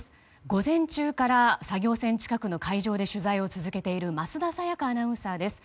午前中から作業船近くの海上で取材を続けている桝田沙也香アナウンサーです。